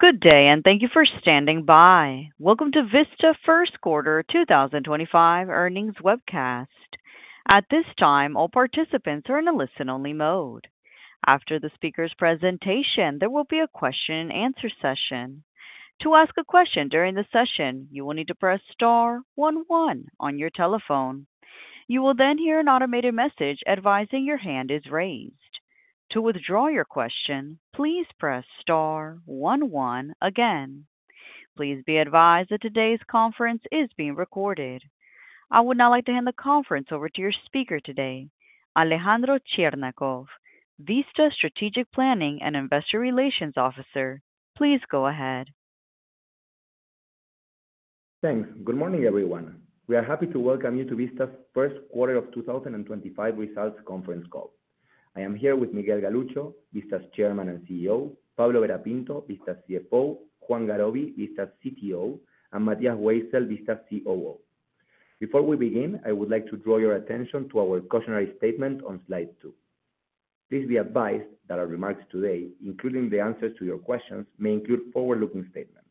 Good day, and thank you for standing by. Welcome to Vista First Quarter 2025 Earnings Webcast. At this time, all participants are in a listen-only mode. After the speaker's presentation, there will be a question-and-answer session. To ask a question during the session, you will need to press star one one on your telephone. You will then hear an automated message advising your hand is raised. To withdraw your question, please press star one one again. Please be advised that today's conference is being recorded. I would now like to hand the conference over to your speaker today, Alejandro Cherñacov, Vista Strategic Planning and Investor Relations Officer. Please go ahead. Thanks. Good morning, everyone. We are happy to welcome you to Vista's First Quarter of 2025 Results Conference Call. I am here with Miguel Galuccio, Vista's Chairman and CEO; Pablo Vera Pinto, Vista CFO; Juan Garoby, Vista CTO; and Matías Weissel, Vista COO. Before we begin, I would like to draw your attention to our cautionary statement on slide two. Please be advised that our remarks today, including the answers to your questions, may include forward-looking statements.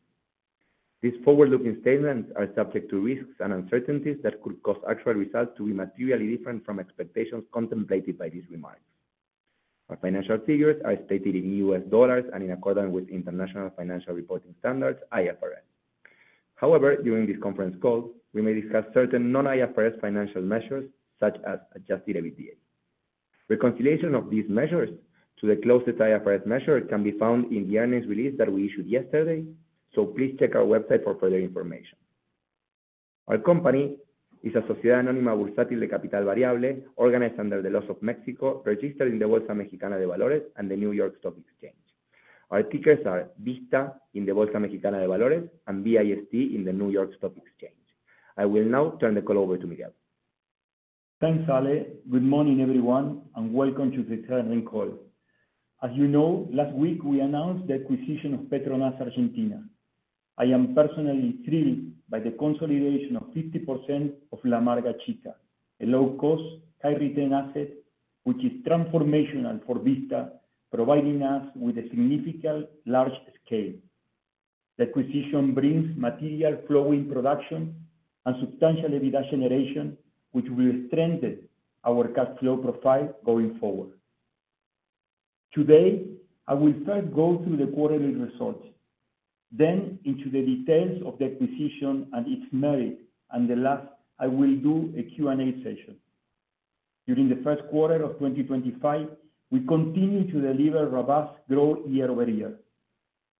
These forward-looking statements are subject to risks and uncertainties that could cause actual results to be materially different from expectations contemplated by these remarks. Our financial figures are stated in US dollars and in accordance with International Financial Reporting Standards, IFRS. However, during this conference call, we may discuss certain non-IFRS financial measures, such as Adjusted EBITDA. Reconciliation of these measures to the closest IFRS measure can be found in the earnings release that we issued yesterday, so please check our website for further information. Our company is a sociedad anónima bursátil de capital variable organized under the laws of Mexico, registered in the Bolsa Mexicana de Valores and the New York Stock Exchange. Our tickers are VISTA in the Bolsa Mexicana de Valores and VIST in the New York Stock Exchange. I will now turn the call over to Miguel. Thanks, Ale. Good morning, everyone, and welcome to the earning call. As you know, last week we announced the acquisition of Petronas Argentina. I am personally thrilled by the consolidation of 50% of La Amarga Chica, a low-cost, high-return asset which is transformational for Vista, providing us with a significant large scale. The acquisition brings material flow in production and substantial EBITDA generation, which will strengthen our cash flow profile going forward. Today, I will first go through the quarterly results, then into the details of the acquisition and its merit, and last, I will do a Q&A session. During the first quarter of 2025, we continue to deliver robust growth year-over-year.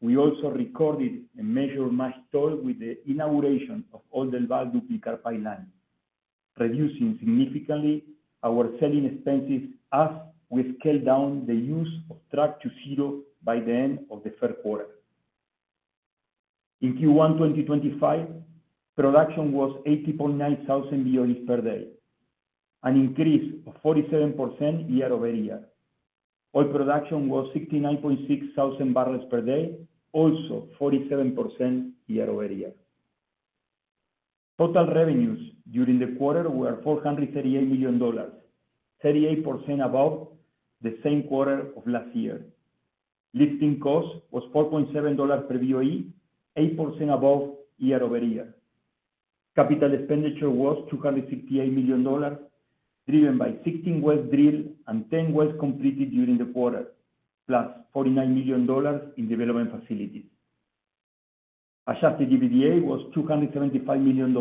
We also recorded a major milestone with the inauguration of Oldelval Duplicar pipelines, reducing significantly our selling expenses as we scaled down the use of trucks to zero by the end of the third quarter. In Q1 2025, production was 80.9 thousand BOE per day, an increase of 47% year-over-year. Oil production was 69.6 thousand barrels per day, also 47% year-over-year. Total revenues during the quarter were $438 million, 38% above the same quarter of last year. Lifting cost was $4.7 per BOE, 8% above year-over-year. Capital expenditure was $268 million, driven by 16 wells drilled and 10 wells completed during the quarter, plus $49 million in development facilities. Adjusted EBITDA was $275 million,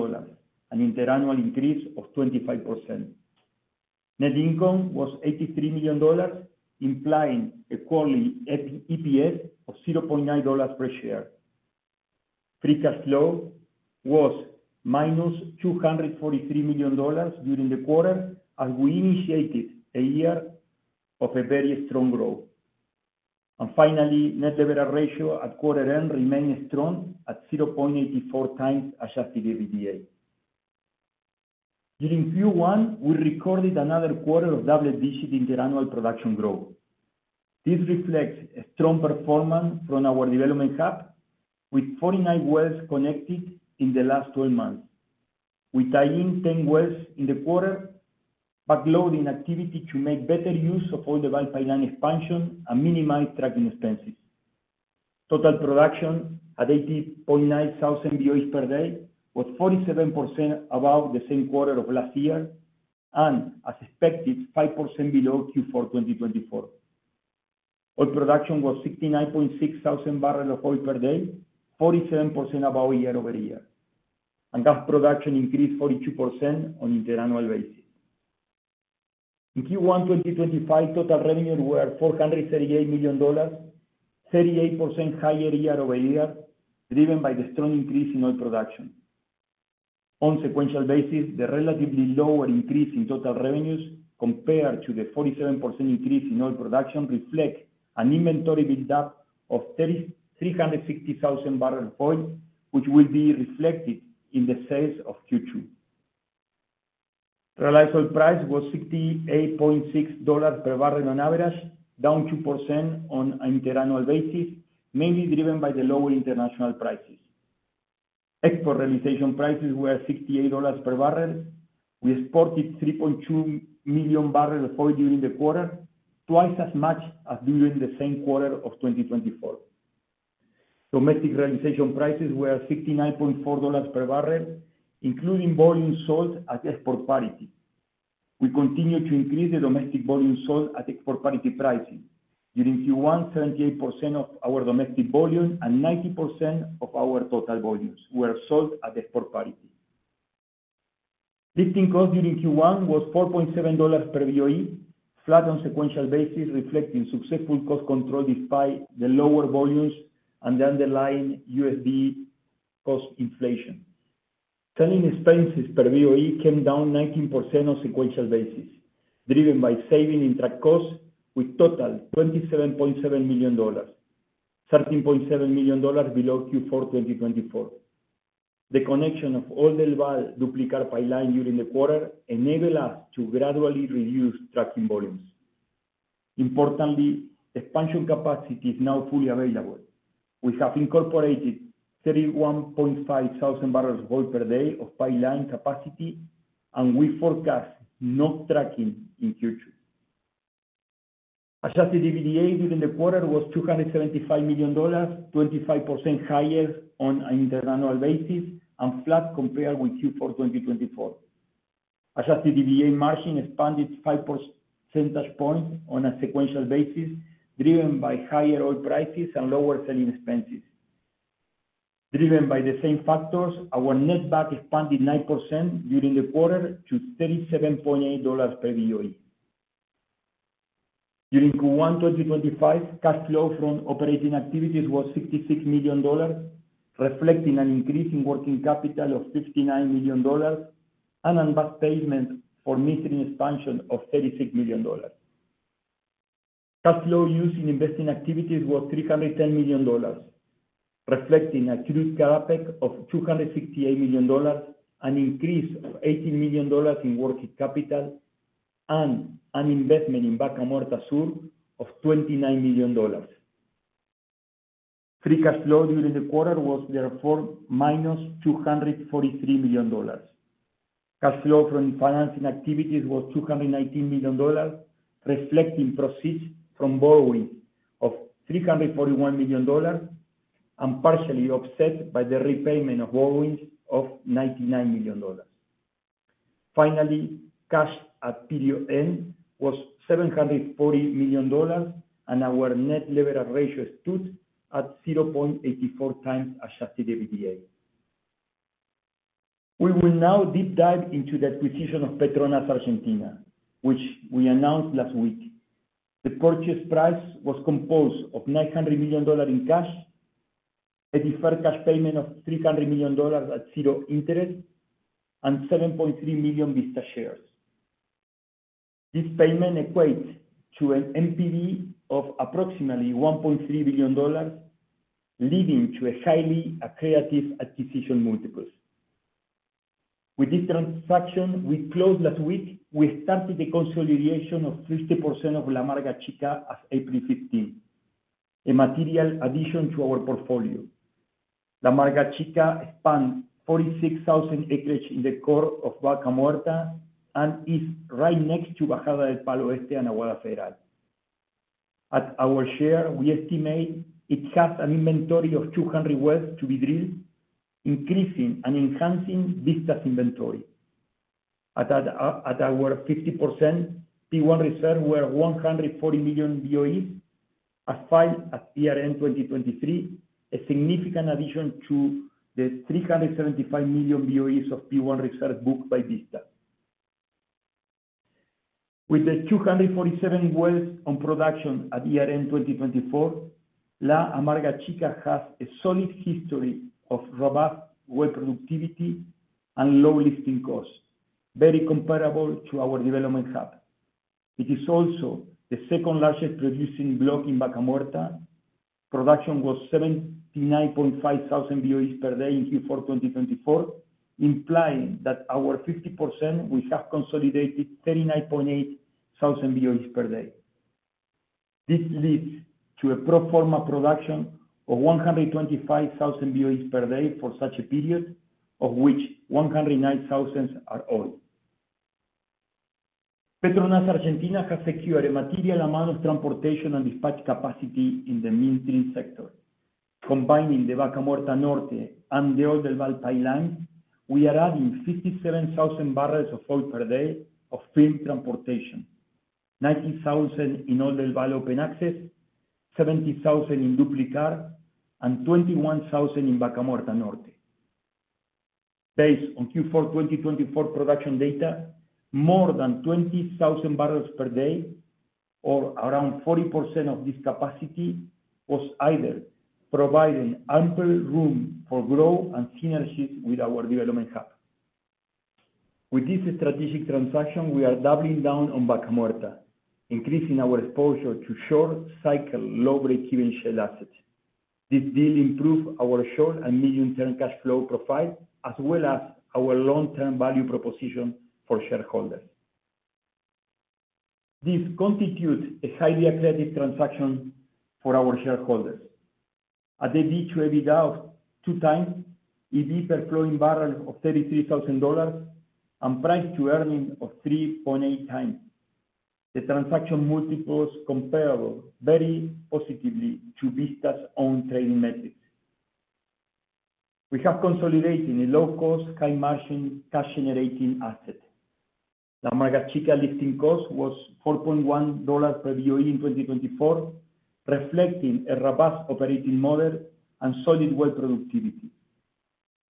an interannual increase of 25%. Net income was $83 million, implying a quarterly EPS of $0.9 per share. Free cash flow was minus $243 million during the quarter, as we initiated a year of very strong growth. Finally, net leverage ratio at quarter-end remained strong at 0.84 times Adjusted EBITDA. During Q1, we recorded another quarter of double-digit interannual production growth. This reflects a strong performance from our development hub, with 49 wells connected in the last 12 months. We tie in 10 wells in the quarter, backloading activity to make better use of Oldelval pipeline expansion and minimize trucking expenses. Total production at 80.9 thousand BOE per day was 47% above the same quarter of last year and, as expected, 5% below Q4 2024. Oil production was 69.6 thousand barrels of oil per day, 47% above year-over-year. Gas production increased 42% on an interannual basis. In Q1 2025, total revenues were $438 million, 38% higher year-over-year, driven by the strong increase in oil production. On a sequential basis, the relatively lower increase in total revenues compared to the 47% increase in oil production reflects an inventory build-up of 360,000 barrels of oil, which will be reflected in the sales of Q2. Realized oil price was $68.6 per barrel on average, down 2% on an interannual basis, mainly driven by the lower international prices. Export realization prices were $68 per barrel. We exported 3.2 million barrels of oil during the quarter, twice as much as during the same quarter of 2024. Domestic realization prices were $69.4 per barrel, including volume sold at export parity. We continue to increase the domestic volume sold at export parity pricing. During Q1, 78% of our domestic volume and 90% of our total volumes were sold at export parity. Lifting cost during Q1 was $4.7 per BOE, flat on a sequential basis, reflecting successful cost control despite the lower volumes and the underlying USD cost inflation. Selling expenses per BOE came down 19% on a sequential basis, driven by saving in truck costs, with total $27.7 million, $13.7 million below Q4 2024. The connection of Oldelval Duplicar pipeline during the quarter enabled us to gradually reduce trucking volumes. Importantly, expansion capacity is now fully available. We have incorporated 31.5 thousand barrels of oil per day of pipeline capacity, and we forecast no trucking in Q2. Adjusted EBITDA during the quarter was $275 million, 25% higher on an interannual basis and flat compared with Q4 2024. Adjusted EBITDA margin expanded 5 percentage points on a sequential basis, driven by higher oil prices and lower selling expenses. Driven by the same factors, our netback expanded 9% during the quarter to $37.8 per BOE. During Q1 2025, cash flow from operating activities was $66 million, reflecting an increase in working capital of $59 million and an advanced payment for metering expansion of $36 million. Cash flow used in investing activities was $310 million, reflecting a accrued CapEx of $268 million, an increase of $18 million in working capital, and an investment in Vaca Muerta Sur of $29 million. Free cash flow during the quarter was, therefore, minus $243 million. Cash flow from financing activities was $219 million, reflecting proceeds from borrowings of $341 million and partially offset by the repayment of borrowings of $99 million. Finally, cash at period end was $740 million, and our net leverage ratio stood at 0.84 times Adjusted EBITDA. We will now deep dive into the acquisition of Petronas Argentina, which we announced last week. The purchase price was composed of $900 million in cash, a deferred cash payment of $300 million at zero interest, and 7.3 million Vista shares. This payment equates to an NPV of approximately $1.3 billion, leading to a highly accretive acquisition multiple. With this transaction, we closed last week. We started the consolidation of 50% of La Amarga Chica as of April 15, a material addition to our portfolio. La Amarga Chica spans 46,000 acres in the core of Vaca Muerta and is right next to Bajada del Palo Oeste, Aguada Federal. At our share, we estimate it has an inventory of 200 wells to be drilled, increasing and enhancing Vista's inventory. At our 50%, P1 reserves were 140 million BOEs, as filed at Year End 2023, a significant addition to the 375 million BOEs of P1 reserves booked by Vista. With the 247 wells on production at Year End 2024, La Amarga Chica has a solid history of robust well productivity and low lifting costs, very comparable to our development hub. It is also the second largest producing block in Vaca Muerta. Production was 79.5 thousand BOEs per day in Q4 2024, implying that our 50% we have consolidated 39.8 thousand BOEs per day. This leads to a pro forma production of 125,000 BOEs per day for such a period, of which 109,000 are oil. Petronas Argentina has secured a material amount of transportation and dispatch capacity in the midstream sector. Combining the Vaca Muerta Norte and the Oldelval pipelines, we are adding 57,000 barrels of oil per day of firm transportation, 19,000 in Oldelval open access, 70,000 in Duplicar, and 21,000 in Vaca Muerta Norte. Based on Q4 2024 production data, more than 20,000 barrels per day, or around 40% of this capacity, was either providing ample room for growth and synergies with our development hub. With this strategic transaction, we are doubling down on Vaca Muerta, increasing our exposure to short-cycle low-break-even shale assets. This deal improves our short and medium-term cash flow profile, as well as our long-term value proposition for shareholders. This constitutes a highly accretive transaction for our shareholders. At EBITDA of two times, EV per flowing barrel of $33,000 and price-to-earnings of 3.8 times, the transaction multiple is comparable very positively to Vista's own trading metrics. We have consolidated a low-cost, high-margin cash-generating asset. La Amarga Chica lifting cost was $4.1 per BOE in 2024, reflecting a robust operating model and solid well productivity.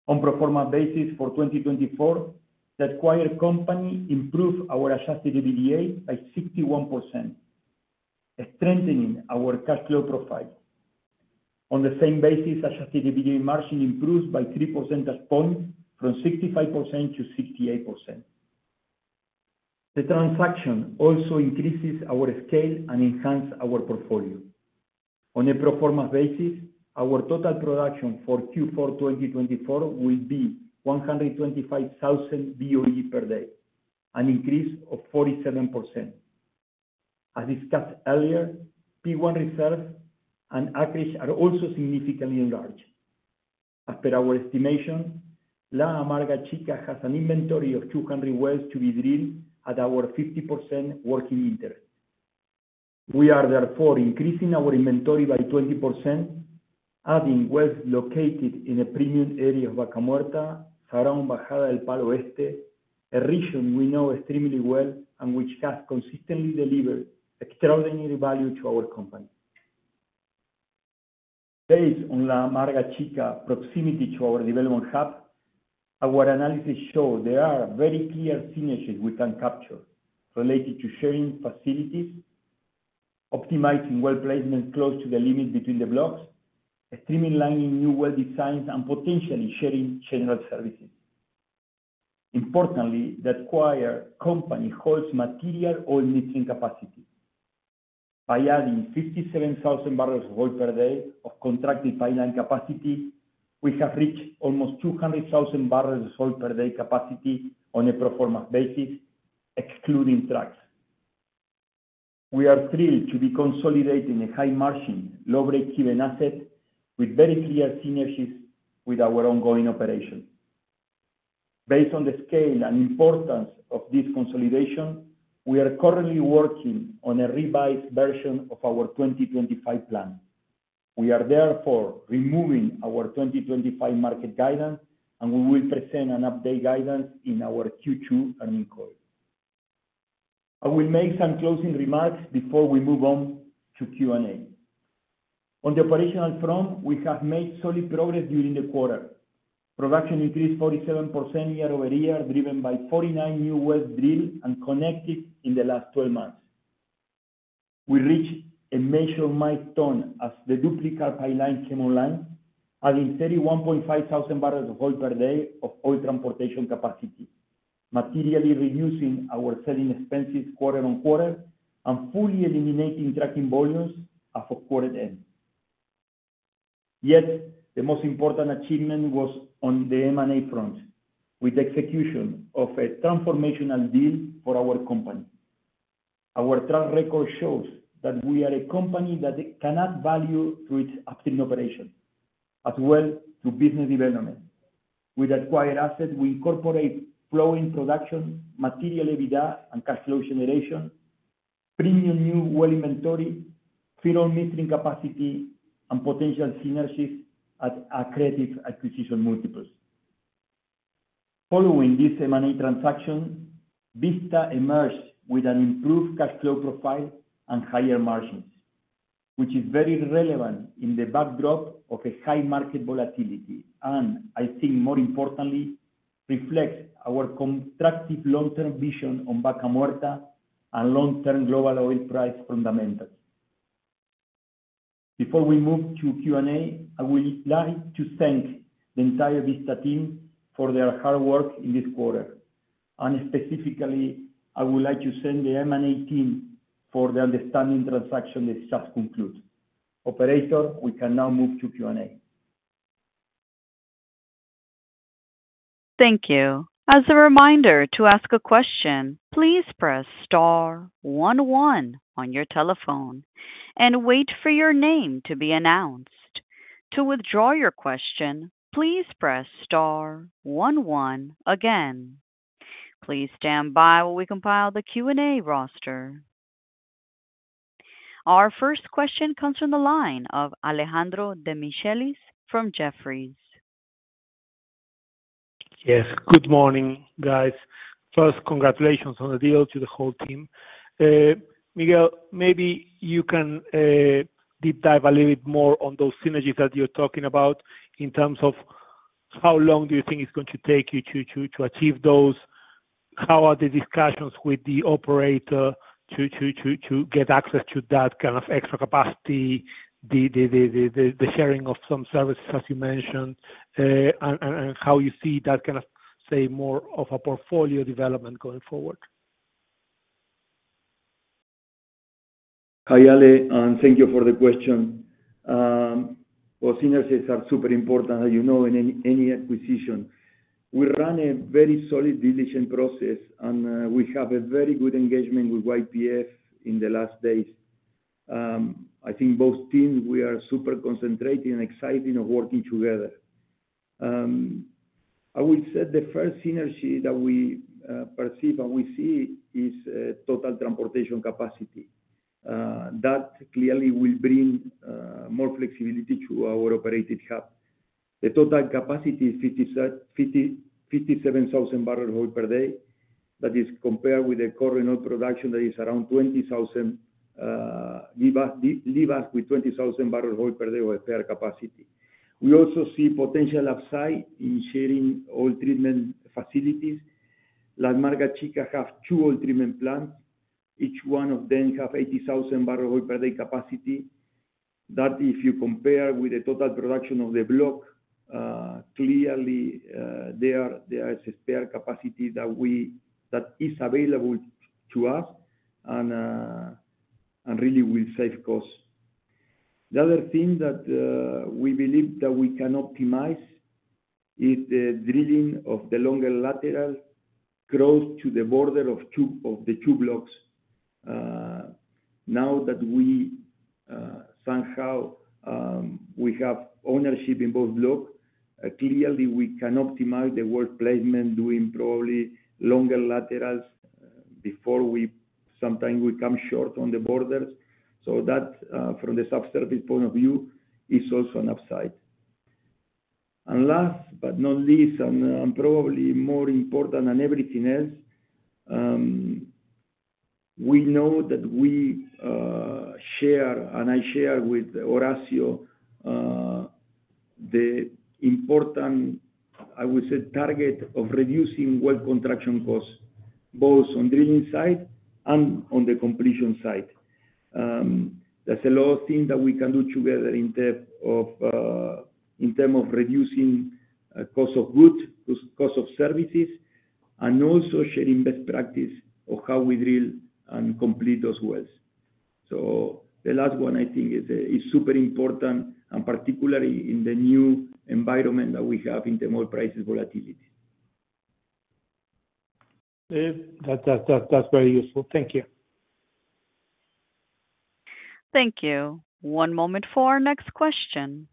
On a pro forma basis for 2024, the acquired company improved our Adjusted EBITDA by 61%, strengthening our cash flow profile. On the same basis, Adjusted EBITDA margin improved by 3 percentage points, from 65% to 68%. The transaction also increases our scale and enhances our portfolio. On a pro forma basis, our total production for Q4 2024 will be 125,000 BOEs per day, an increase of 47%. As discussed earlier, P1 reserves and acres are also significantly enlarged. As per our estimation, La Amarga Chica has an inventory of 200 wells to be drilled at our 50% working interest. We are, therefore, increasing our inventory by 20%, adding wells located in a premium area of Vaca Muerta, surrounded by Bajada del Palo Oeste, a region we know extremely well and which has consistently delivered extraordinary value to our company. Based on La Amarga Chica's proximity to our development hub, our analysis shows there are very clear synergies we can capture related to sharing facilities, optimizing well placement close to the limit between the blocks, streamlining new well designs, and potentially sharing general services. Importantly, the acquired company holds material oil metering capacity. By adding 57,000 barrels of oil per day of contracted pipeline capacity, we have reached almost 200,000 barrels of oil per day capacity on a pro forma basis, excluding trucks. We are thrilled to be consolidating a high-margin, low-break-even asset with very clear synergies with our ongoing operation. Based on the scale and importance of this consolidation, we are currently working on a revised version of our 2025 plan. We are, therefore, removing our 2025 market guidance, and we will present an updated guidance in our Q2 earnings call. I will make some closing remarks before we move on to Q&A. On the operational front, we have made solid progress during the quarter. Production increased 47% year-over-year, driven by 49 new wells drilled and connected in the last 12 months. We reached a measured milestone as the Duplicar pipeline came online, adding 31,500 barrels of oil per day of oil transportation capacity, materially reducing our selling expenses quarter on quarter and fully eliminating trucking volumes at quarter end. Yet, the most important achievement was on the M&A front, with the execution of a transformational deal for our company. Our track record shows that we are a company that can add value through its upstream operations, as well as through business development. With acquired assets, we incorporate flowing production, material EBITDA and cash flow generation, premium new well inventory, fuel metering capacity, and potential synergies at accretive acquisition multiples. Following this M&A transaction, Vista emerged with an improved cash flow profile and higher margins, which is very relevant in the backdrop of a high market volatility and, I think more importantly, reflects our constructive long-term vision on Vaca Muerta and long-term global oil price fundamentals. Before we move to Q&A, I would like to thank the entire Vista team for their hard work in this quarter. Specifically, I would like to thank the M&A team for the outstanding transaction that has just concluded. Operator, we can now move to Q&A. Thank you. As a reminder to ask a question, please press star one one on your telephone and wait for your name to be announced. To withdraw your question, please press star one one again. Please stand by while we compile the Q&A roster. Our first question comes from the line of Alejandro Demichelis from Jefferies. Good morning, guys. First, congratulations on the deal to the whole team. Miguel, maybe you can deep dive a little bit more on those synergies that you're talking about in terms of how long do you think it's going to take you to achieve those? How are the discussions with the operator to get access to that kind of extra capacity, the sharing of some services, as you mentioned, and how you see that kind of, say, more of a portfolio development going forward? Hi Ale, and thank you for the question. Synergies are super important, as you know, in any acquisition. We run a very solid diligent process, and we have a very good engagement with YPF in the last days. I think both teams, we are super concentrated and excited of working together. I will say the first synergy that we perceive and we see is total transportation capacity. That clearly will bring more flexibility to our operated hub. The total capacity is 57,000 barrels of oil per day. That is compared with the current oil production that is around 20,000, leave us with 20,000 barrels of oil per day of spare capacity. We also see potential upside in sharing oil treatment facilities. La Amarga Chica has two oil treatment plants. Each one of them has 80,000 barrels of oil per day capacity. That if you compare with the total production of the block, clearly there is a spare capacity that is available to us and really will save costs. The other thing that we believe that we can optimize is the drilling of the longer lateral close to the border of the two blocks. Now that we somehow have ownership in both blocks, clearly we can optimize the well placement, doing probably longer laterals before we sometimes come short on the borders. That, from the subsurface point of view, is also an upside. Last but not least, and probably more important than everything else, we know that we share, and I share with Horacio, the important, I would say, target of reducing well contraction costs, both on drilling side and on the completion side. There are a lot of things that we can do together in terms of reducing cost of goods, cost of services, and also sharing best practice of how we drill and complete those wells. The last one, I think, is super important, and particularly in the new environment that we have in terms of price volatility. That is very useful. Thank you. Thank you. One moment for our next question.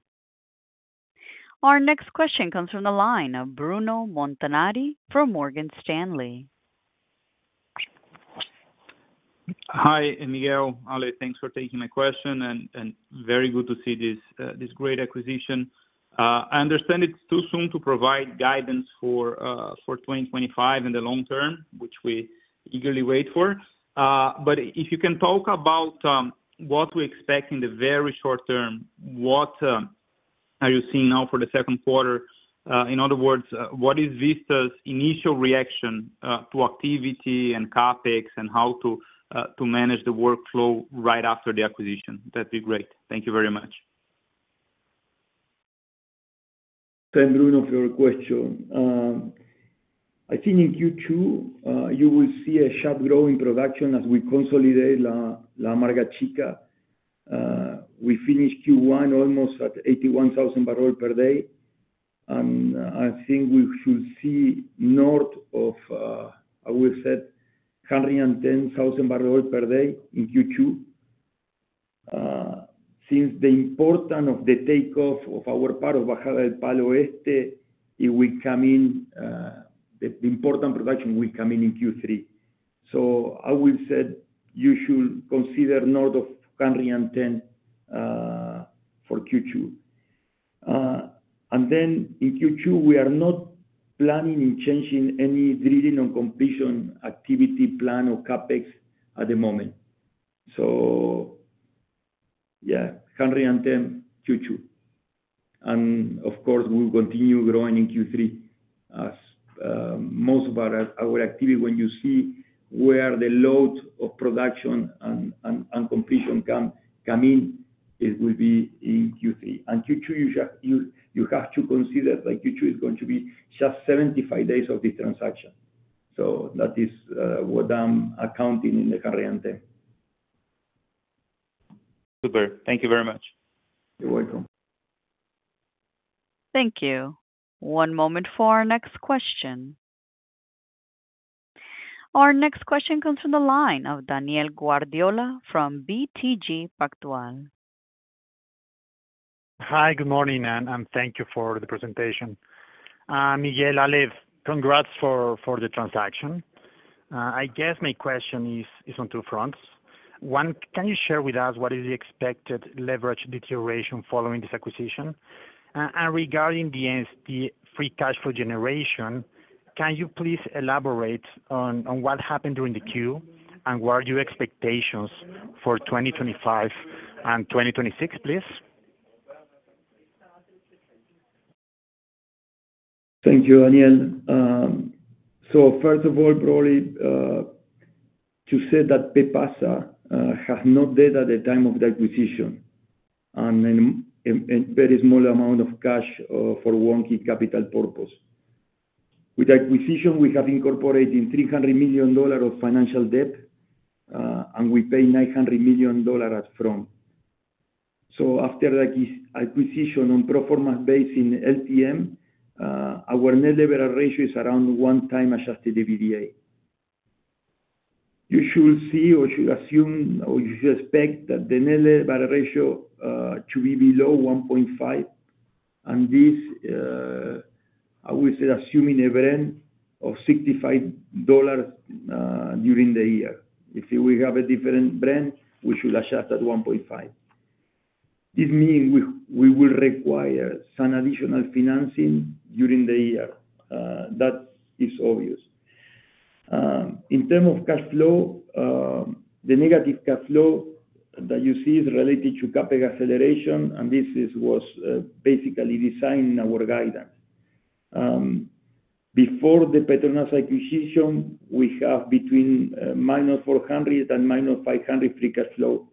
Our next question comes from the line of Bruno Montanari from Morgan Stanley. Hi, Miguel. thanks for taking my question, and very good to see this great acquisition. I understand it's too soon to provide guidance for 2025 in the long term, which we eagerly wait for. If you can talk about what we expect in the very short term, what are you seeing now for the second quarter? In other words, what is Vista's initial reaction to activity and CapEx and how to manage the workflow right after the acquisition? That'd be great. Thank you very much. Thank you, Bruno, for your question. I think in Q2, you will see a sharp grow in production as we consolidate La Amarga Chica. We finished Q1 almost at 81,000 barrels per day. I think we should see north of, I would say, 110,000 barrels per day in Q2. Since the importance of the takeoff of our part of Bajada del Palo Oeste, it will come in. The important production will come in Q3. I would say you should consider north of 110 for Q2. In Q2, we are not planning on changing any drilling and completion activity plan or CapEx at the moment. Yeah, 110 Q2. Of course, we will continue growing in Q3. Most of our activity, when you see where the load of production and completion come in, it will be in Q3. Q2, you have to consider that Q2 is going to be just 75 days of this transaction. That is what I'm accounting in the 110 Super. Thank you very much. You're welcome. Thank you. One moment for our next question. Our next question comes from the line of Daniel Guardiola from BTG Pactual. Hi, good morning, and thank you for the presentation. Miguel Ale, congrats for the transaction. I guess my question is on two fronts. One, can you share with us what is the expected leverage deterioration following this acquisition? And regarding the free cash flow generation, can you please elaborate on what happened during the Q and what are your expectations for 2025 and 2026, please? Thank you, Daniel. First of all, probably to say that PEPASA has not debt at the time of the acquisition and a very small amount of cash for working capital purpose. With the acquisition, we have incorporated $300 million of financial debt, and we paid $900 million upfront. After the acquisition on a pro forma basis, in LTM, our net leverage ratio is around one-time Adjusted EBITDA. You should see or should assume or you should expect that the net leverage ratio to be below 1.5. This, I would say, assuming a Brent of $65 during the year. If we have a different Brent, we should adjust at 1.5. This means we will require some additional financing during the year. That is obvious. In terms of cash flow, the negative cash flow that you see is related to Capex acceleration, and this was basically designed in our guidance. Before the Petronas Argentina acquisition, we have between minus $400 million and minus $500 million free cash flow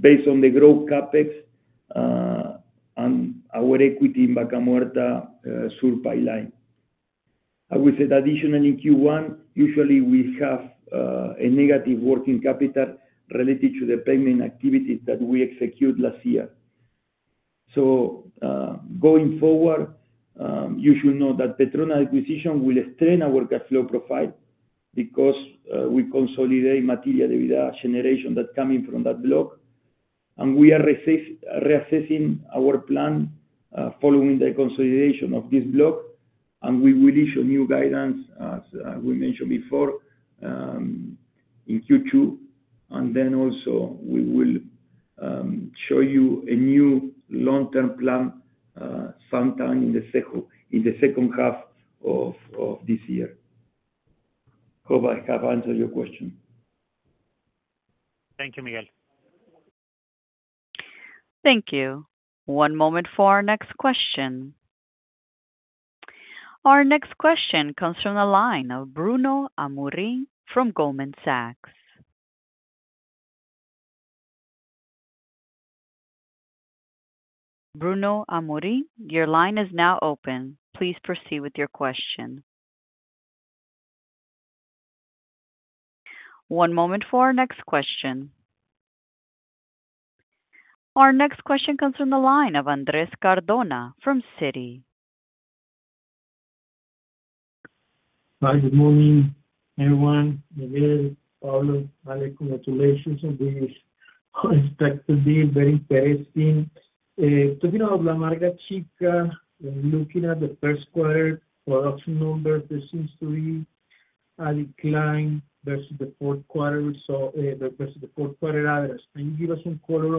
based on the growth Capex and our equity in Vaca Muerta Sur pipeline. I would say that additionally in Q1, usually we have a negative working capital related to the payment activities that we execute last year. Going forward, you should know that Petronas acquisition will strain our cash flow profile because we consolidate material EBITDA generation that's coming from that block. We are reassessing our plan following the consolidation of this block, and we will issue new guidance, as we mentioned before, in Q2. Also, we will show you a new long-term plan sometime in the second half of this year. Hope I have answered your question. Thank you, Miguel. Thank you. One moment for our next question. Our next question comes from the line of Bruno Amorim from Goldman Sachs. Bruno Amorim, your line is now open. Please proceed with your question. One moment for our next question. Our next question comes from the line of Andrés Cardona from Citi. Hi, good morning, everyone. Miguel, Paulo, Ale, congratulations on this unexpected deal. Very interesting. Talking of La Amarga Chica, looking at the first quarter production number, there seems to be a decline versus the fourth quarter. So versus the fourth quarter average. Can you give us some color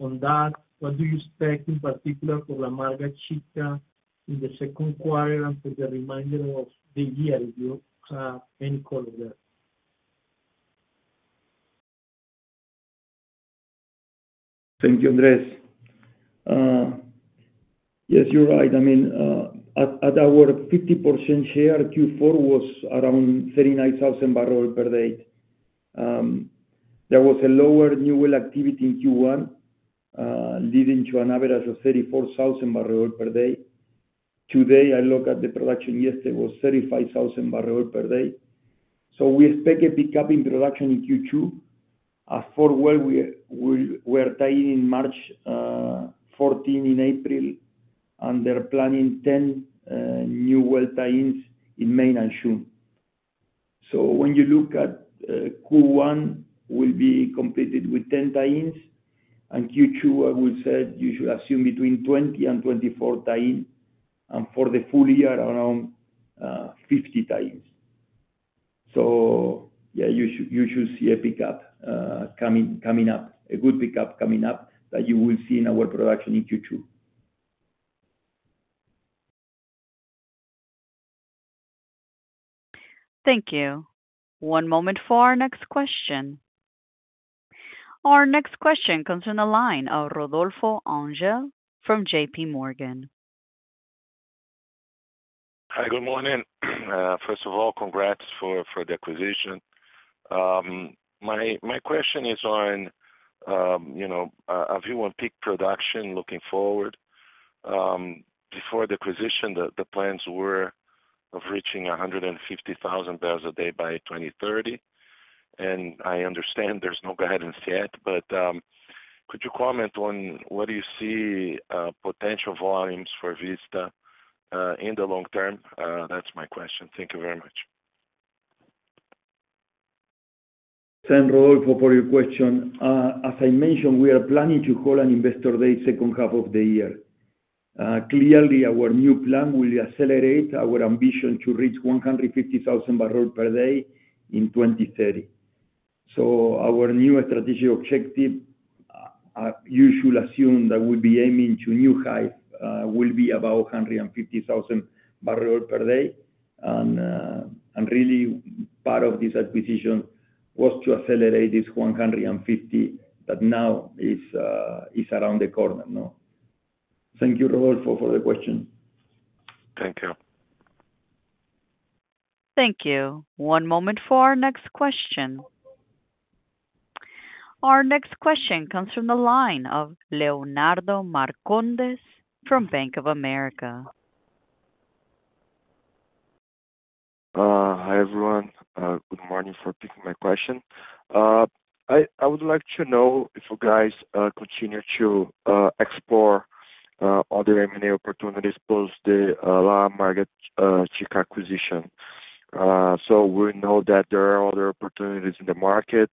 on that? What do you expect in particular for La Amarga Chica in the second quarter and for the remainder of the year? If you have any color there. Thank you, Andres. Yes, you're right. I mean, at our 50% share, Q4 was around 39,000 barrels per day. There was a lower new oil activity in Q1, leading to an average of 34,000 barrels per day. Today, I look at the production yesterday, it was 35,000 barrels per day. We expect a pickup in production in Q2. As for well, we are tying in March 14, in April, and they're planning 10 new well tie-ins in May and June. When you look at Q1, we'll be completed with 10 tie-ins. Q2, I would say, you should assume between 20 and 24 tie-ins. For the full year, around 50 tie-ins. You should see a pickup coming up, a good pickup coming up that you will see in our production in Q2. Thank you. One moment for our next question. Our next question comes from the line of Rodolfo Angele from JPMorgan. Hi, good morning. First of all, congrats for the acquisition. My question is on, have you on peak production looking forward? Before the acquisition, the plans were of reaching 150,000 barrels a day by 2030. I understand there's no guidance yet, but could you comment on what do you see potential volumes for Vista in the long term? That's my question. Thank you very much. Thanks, Rodolfo, for your question. As I mentioned, we are planning to hold an investor day second half of the year. Clearly, our new plan will accelerate our ambition to reach 150,000 barrels per day in 2030. Our new strategic objective, you should assume that we'll be aiming to new heights, will be about 150,000 barrels per day. Really, part of this acquisition was to accelerate this 150,000 that now is around the corner. Thank you, Rodolfo, for the question. Thank you. Thank you. One moment for our next question. Our next question comes from the line of Leonardo Marcondes from Bank of America. Hi, everyone. Good morning for picking my question. I would like to know if you guys continue to explore other M&A opportunities post the La Amarga Chica acquisition. We know that there are other opportunities in the market.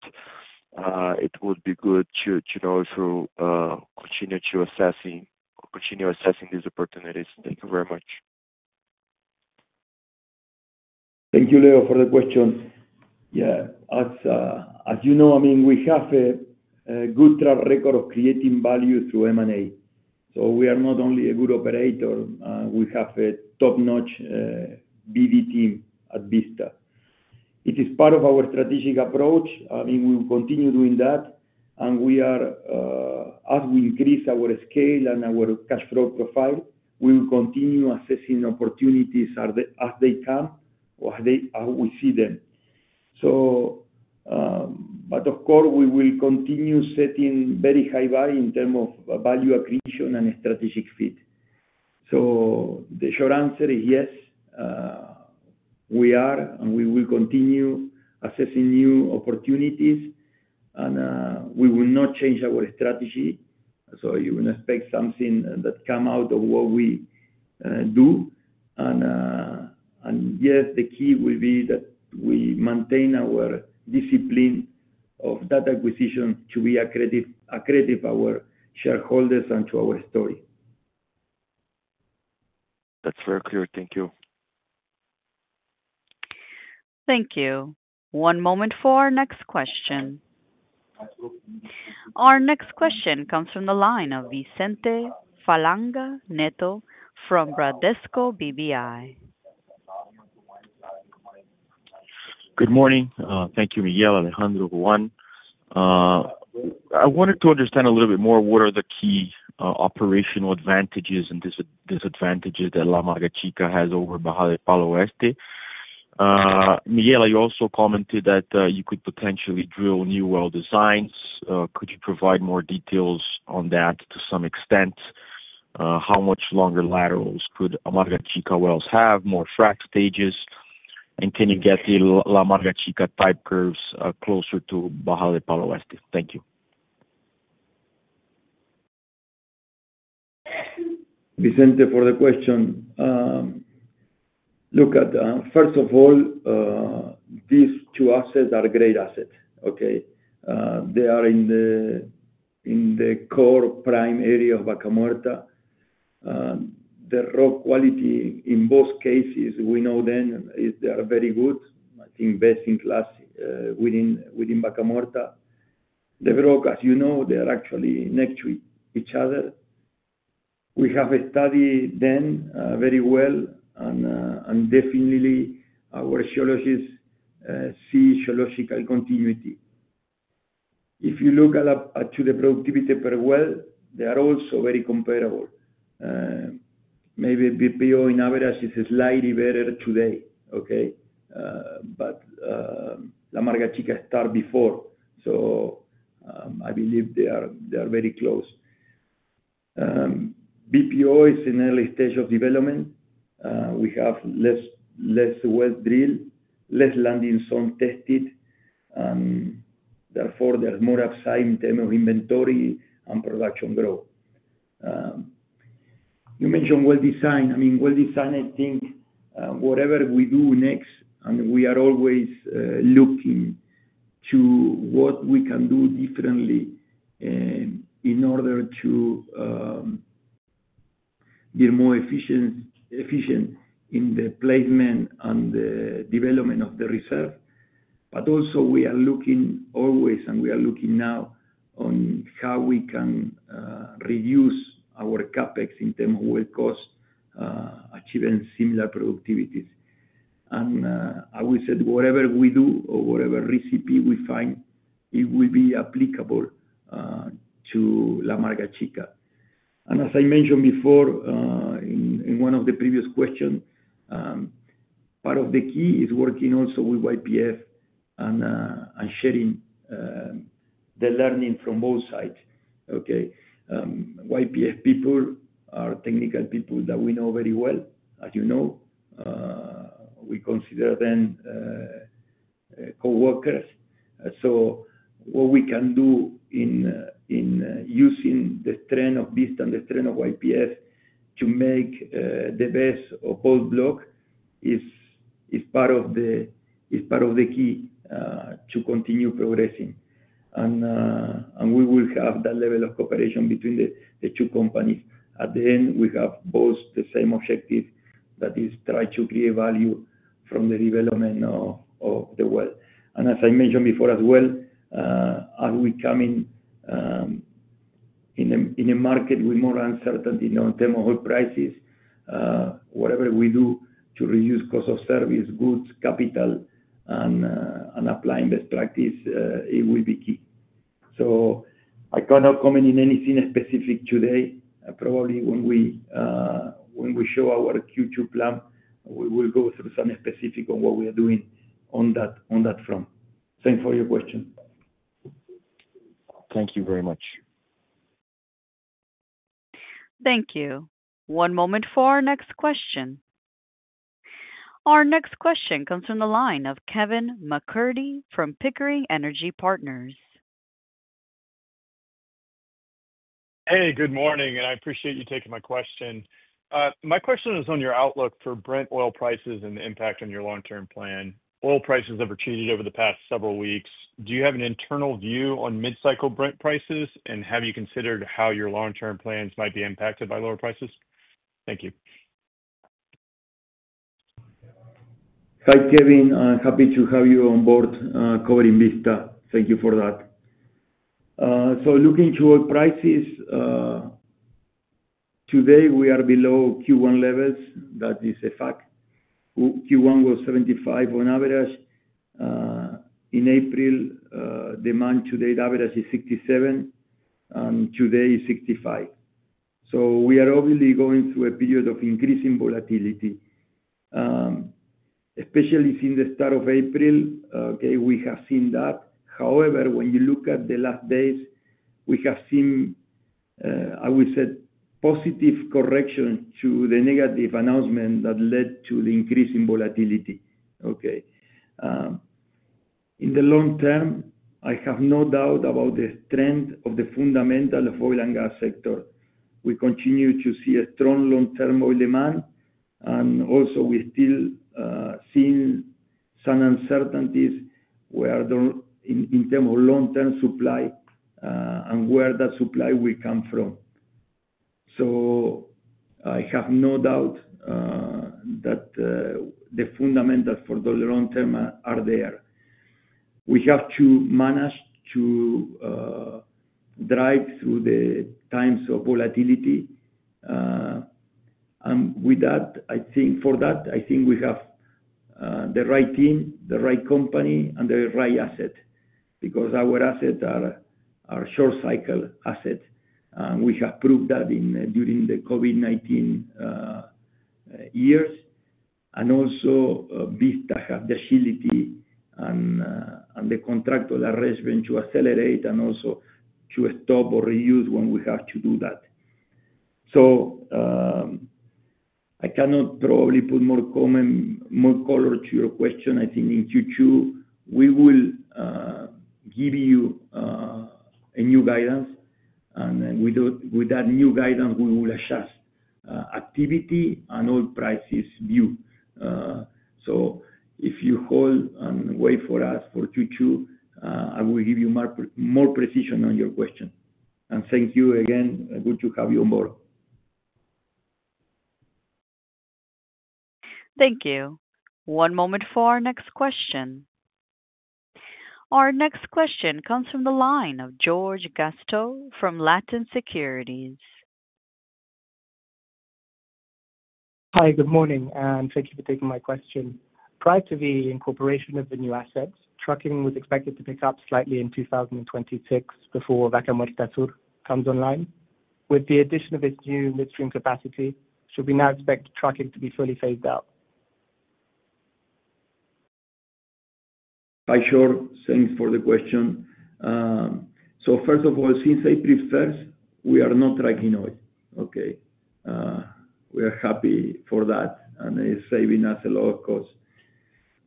It would be good to know if you continue to assess these opportunities. Thank you very much. Thank you, Leo, for the question. Yeah. As you know, I mean, we have a good track record of creating value through M&A. We are not only a good operator, we have a top-notch BD team at Vista. It is part of our strategic approach. I mean, we will continue doing that. As we increase our scale and our cash flow profile, we will continue assessing opportunities as they come or as we see them. Of course, we will continue setting very high value in terms of value acquisition and strategic fit. The short answer is yes, we are, and we will continue assessing new opportunities. We will not change our strategy. You will expect something that comes out of what we do. Yes, the key will be that we maintain our discipline of that acquisition to be accretive to our shareholders and to our story. That is very clear. Thank you. Thank you. One moment for our next question. Our next question comes from the line of Vicente Falanga Neto from Bradesco BBI. Good morning. Thank you, Miguel, Alejandro, Juan. I wanted to understand a little bit more what are the key operational advantages and disadvantages that La Amarga Chica has over Bajada del Palo Oeste. Miguel, you also commented that you could potentially drill new well designs. Could you provide more details on that to some extent? How much longer laterals could La Amarga Chica wells have, more frac stages? And can you get the La Amarga Chica type curves closer to Bajada del Palo Oeste? Thank you. Vicente, for the question, look at, first of all, these two assets are great assets, okay? They are in the core prime area of Vaca Muerta. The rock quality in both cases, we know then they are very good, I think best in class within Vaca Muerta. The rock, as you know, they are actually next to each other. We have studied them very well. Definitely, our geologists see geological continuity. If you look at the productivity per well, they are also very comparable. Maybe BPO in average is slightly better today, okay? La Amarga Chica started before. I believe they are very close. BPO is in early stage of development. We have less well drilled, less landing zone tested. Therefore, there's more upside in terms of inventory and production growth. You mentioned well design. I mean, well design, I think whatever we do next, and we are always looking to what we can do differently in order to be more efficient in the placement and the development of the reserve. Also, we are looking always, and we are looking now on how we can reduce our CapEx in terms of well cost, achieving similar productivities. I would say whatever we do or whatever recipe we find, it will be applicable to La Amarga Chica. As I mentioned before in one of the previous questions, part of the key is working also with YPF and sharing the learning from both sides, okay? YPF people are technical people that we know very well. As you know, we consider them co-workers. What we can do in using the strength of Vista and the strength of YPF to make the best of both blocks is part of the key to continue progressing. We will have that level of cooperation between the two companies. At the end, we have both the same objective that is try to create value from the development of the well. As I mentioned before as well, as we come in a market with more uncertainty in terms of oil prices, whatever we do to reduce cost of service, goods, capital, and applying best practices, it will be key. I cannot comment on anything specific today. Probably when we show our Q2 plan, we will go through some specifics on what we are doing on that front. Thanks for your question. Thank you very much. Thank you. One moment for our next question. Our next question comes from the line of Kevin McCurdy from Pickering Energy Partners. Hey, good morning, and I appreciate you taking my question. My question is on your outlook for Brent oil prices and the impact on your long-term plan. Oil prices have retreated over the past several weeks. Do you have an internal view on mid-cycle Brent prices? And have you considered how your long-term plans might be impacted by lower prices? Thank you. Hi, Kevin. Happy to have you on board covering Vista. Thank you for that. Looking to oil prices, today we are below Q1 levels. That is a fact. Q1 was $75 on average. In April, demand-to-date average is $67, and today is $65. We are obviously going through a period of increasing volatility, especially since the start of April, okay? We have seen that. However, when you look at the last days, we have seen, I would say, positive correction to the negative announcement that led to the increase in volatility, okay? In the long term, I have no doubt about the strength of the fundamental of oil and gas sector. We continue to see a strong long-term oil demand. Also, we're still seeing some uncertainties in terms of long-term supply and where that supply will come from. I have no doubt that the fundamentals for the long term are there. We have to manage to drive through the times of volatility. With that, I think for that, I think we have the right team, the right company, and the right asset because our assets are short-cycle assets. We have proved that during the COVID-19 years. Vista has the agility and the contractual arrangement to accelerate and also to stop or reduce when we have to do that. I cannot probably put more color to your question. I think in Q2, we will give you a new guidance. With that new guidance, we will adjust activity and oil prices view. If you hold and wait for us for Q2, I will give you more precision on your question. Thank you again. Good to have you on board. Thank you. One moment for our next question. Our next question comes from the line of George Gasztowtt from Latin Securities. Hi, good morning. Thank you for taking my question. Prior to the incorporation of the new assets, trucking was expected to pick up slightly in 2026 before Vaca Muerta Sur comes online. With the addition of its new midstream capacity, should we now expect trucking to be fully phased out? Hi, George. Thanks for the question. First of all, since April 1, we are not trucking oil, okay? We are happy for that, and it is saving us a lot of costs.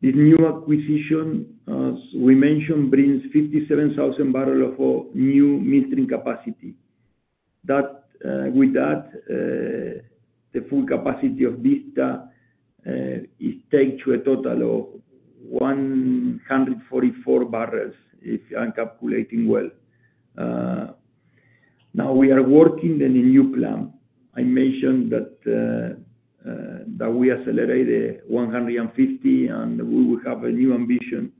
This new acquisition, as we mentioned, brings 57,000 barrels of new midstream capacity. With that, the full capacity of Vista is taken to a total of 144,000 barrels if I am calculating well. Now, we are working on a new plan. I mentioned that we accelerated 150, and we will have a new ambition.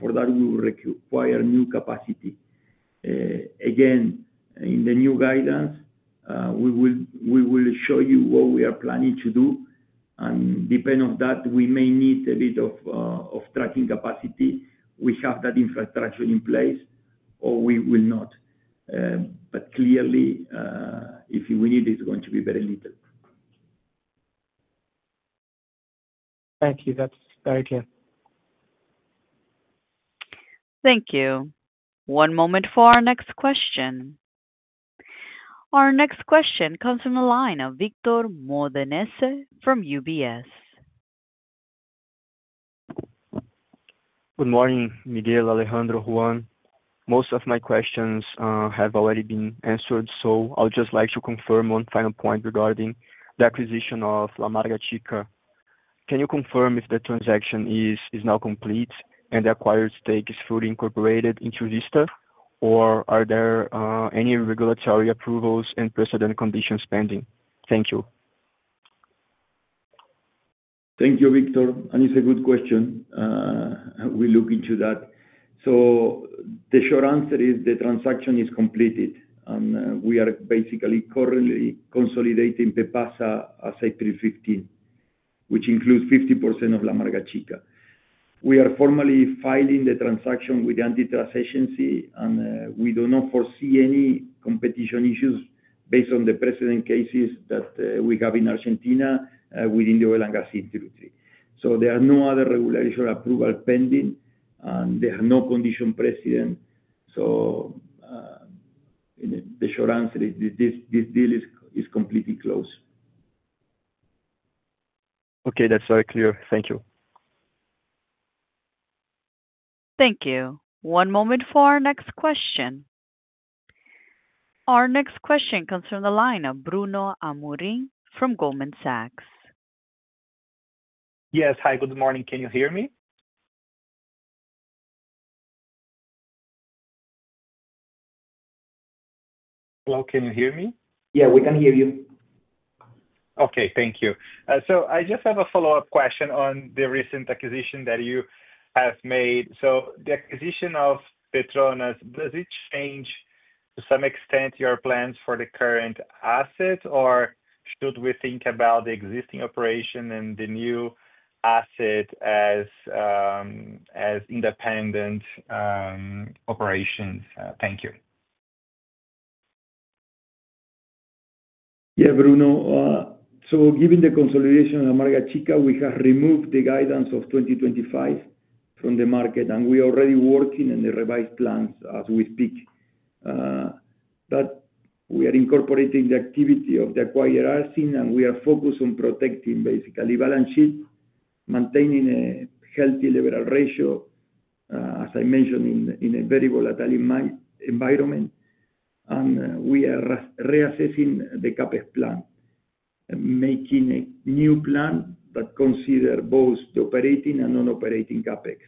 For that, we will require new capacity. In the new guidance, we will show you what we are planning to do. Depending on that, we may need a bit of trucking capacity. We have that infrastructure in place, or we will not. But clearly, if we need it, it's going to be very little. Thank you. That's very clear. Thank you. One moment for our next question. Our next question comes from the line of Victor Modanese from UBS. Good morning, Miguel, Alejandro, Juan. Most of my questions have already been answered, so I would just like to confirm one final point regarding the acquisition of La Amarga Chica. Can you confirm if the transaction is now complete and the acquired stake is fully incorporated into Vista, or are there any regulatory approvals and precedent conditions pending? Thank you. Thank you, Victor. It's a good question. We'll look into that. The short answer is the transaction is completed, and we are basically currently consolidating PEPASA as of April 15, which includes 50% of La Amarga Chica. We are formally filing the transaction with the Antitrust Agency, and we do not foresee any competition issues based on the precedent cases that we have in Argentina within the oil and gas industry. There are no other regulatory approvals pending, and there are no condition precedents. The short answer is this deal is completely closed. Okay, that's very clear. Thank you. Thank you. One moment for our next question. Our next question comes from the line of Bruno Amorim from Goldman Sachs. Yes. Hi, good morning. Can you hear me? Hello, can you hear me? Yeah, we can hear you. Okay, thank you. I just have a follow-up question on the recent acquisition that you have made. The acquisition of Petronas, does it change to some extent your plans for the current asset, or should we think about the existing operation and the new asset as independent operations? Thank you. Yeah, Bruno. Given the consolidation of La Amarga Chica, we have removed the guidance of 2025 from the market, and we are already working on the revised plans as we speak. We are incorporating the activity of the acquired asset, and we are focused on protecting basically balance sheet, maintaining a healthy level ratio, as I mentioned, in a very volatile environment. We are reassessing the CapEx plan, making a new plan that considers both the operating and non-operating CapEx.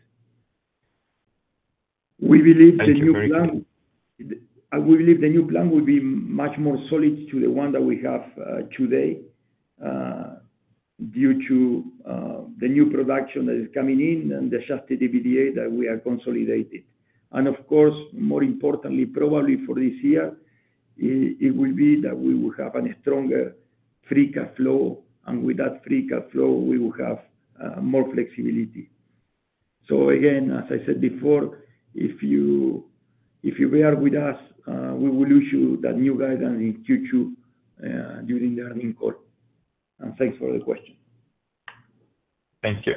We believe the new plan. We believe the new plan will be much more solid to the one that we have today due to the new production that is coming in and the Adjusted EBITDA that we have consolidated. More importantly, probably for this year, it will be that we will have a stronger free cash flow, and with that free cash flow, we will have more flexibility. Again, as I said before, if you bear with us, we will issue that new guidance in Q2 during the earning call. Thanks for the question. Thank you.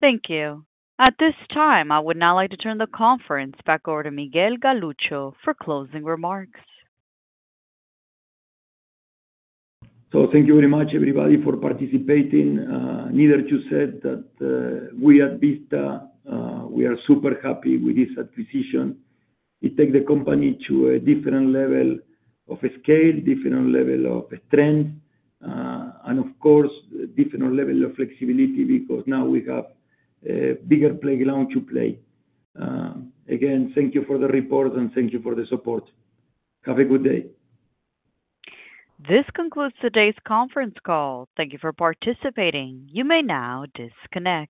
Thank you. At this time, I would now like to turn the conference back over to Miguel Galuccio for closing remarks. Thank you very much, everybody, for participating. Needed to say that we at Vista, we are super happy with this acquisition. It takes the company to a different level of scale, different level of strength, and of course, different level of flexibility because now we have a bigger playground to play. Again, thank you for the report, and thank you for the support. Have a good day. This concludes today's conference call. Thank you for participating. You may now disconnect.